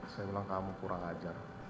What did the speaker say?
saya bilang kamu kurang ajar